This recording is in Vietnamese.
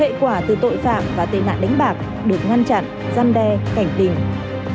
hệ quả từ tội phạm và tên nạn đánh bạc được ngăn chặn gian đe cảnh tình